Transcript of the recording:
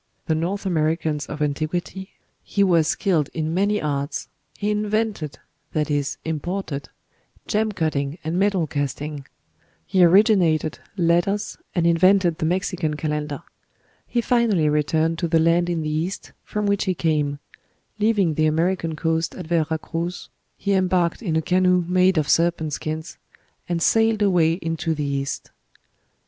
("North Amer. of Antiq.," p. 268.) "He was skilled in many arts: he invented" (that is, imported) "gem cutting and metal casting; he originated letters, and invented the Mexican calendar. He finally returned to the land in the East from which he came: leaving the American coast at Vera Cruz, he embarked in a canoe made of serpent skins, and 'sailed away into the east.'"